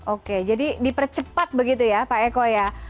oke jadi dipercepat begitu ya pak eko ya